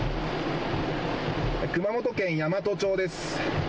熊本県山都町です。